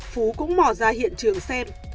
phú cũng mò ra hiện trường xem